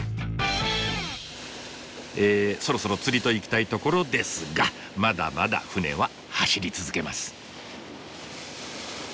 えそろそろ釣りといきたいところですがまだまだ船は走り続けます。